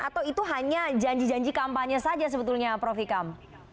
atau itu hanya janji janji kampanye saja sebetulnya prof ikam